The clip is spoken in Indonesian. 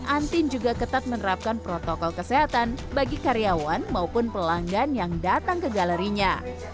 antin juga ketat menerapkan protokol kesehatan bagi karyawan maupun pelanggan yang datang ke galerinya